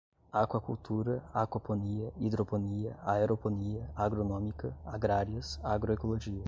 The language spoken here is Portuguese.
aquacultura, aquaponia, hidroponia, aeroponia, agronômica, agrárias, agroecologia